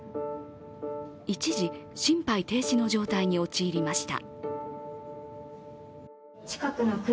一時、心肺停止の状態に陥りました